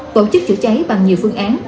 tổ chức chữa cháy bằng nhiều phương án